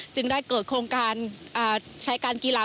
จึงได้เกิดโครงการใช้การกีฬา